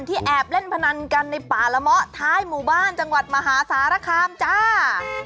แอบเล่นพนันกันในป่าละเมาะท้ายหมู่บ้านจังหวัดมหาสารคามจ้า